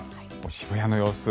渋谷の様子